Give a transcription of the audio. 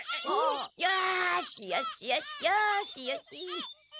よしよしよしよしよし。